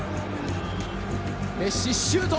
メッシシュート！